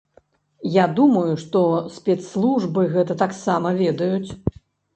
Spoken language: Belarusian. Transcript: Я думаю, што спецслужбы гэта таксама ведаюць.